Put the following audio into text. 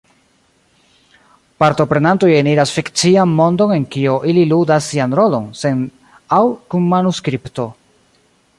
Partoprenantoj eniras fikcian mondon en kio ili ludas sian rolon, sen aŭ kun manuskripto.